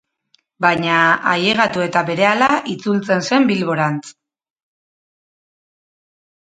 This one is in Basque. Baina, ailegatu eta berehala itzultzen zen Bilborantz.